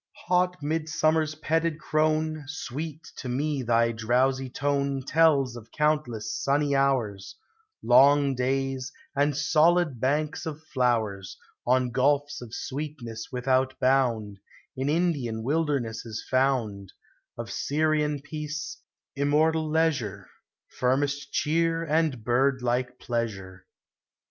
Hot midsummer's petted crone, Sweet to me thy drowsy tone Tells of countless sunny hours, Long days, and solid banks of llowers; Of gulfs of sweetness without bound, In Indian wildernesses found; Of Syrian peace, immortal leisure, Firmest cheer, and birdlike pleasure.